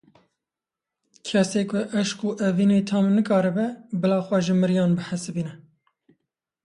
Kesê ku eşq û evînê tam nekiribe, bila xwe ji miriyan bihesibîne.